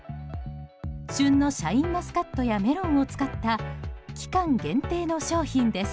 旬のシャインマスカットやメロンを使った期間限定の商品です。